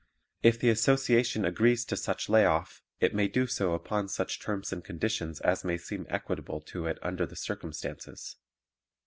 If the Association agrees to such lay off it may do so upon such terms and conditions as may seem equitable to it under the circumstances.